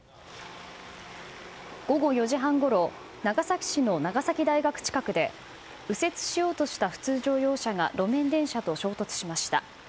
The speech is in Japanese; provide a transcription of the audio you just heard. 午後４時半ごろ長崎市の長崎大学近くで右折しようとした普通乗用車が路面電車と衝突しました。